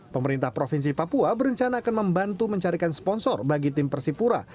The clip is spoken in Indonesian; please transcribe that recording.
pemerintah provinsi papua berencana akan membantu mencarikan sponsor bagi tim persipura